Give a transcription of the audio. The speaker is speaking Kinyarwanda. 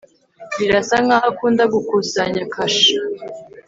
Birasa nkaho akunda gukusanya kashe